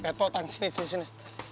peto tangguh sini